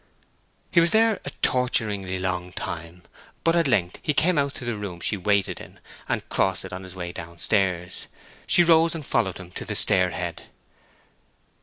He was there a torturingly long time; but at length he came out to the room she waited in, and crossed it on his way downstairs. She rose and followed him to the stairhead.